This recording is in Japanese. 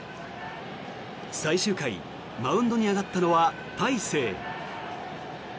最終回マウンドに上がったのは大勢。